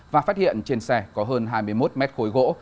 và phát hiện trên xe có hơn hai mươi một mét khối gỗ